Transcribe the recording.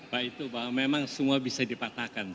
pak itu bahwa memang semua bisa dipatahkan